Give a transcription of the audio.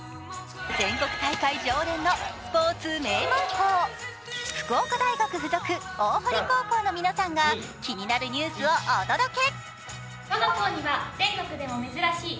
全国大会常連のスポーツ名門校、福岡大学附属大濠高校の皆さんが気になるニュースをお届け。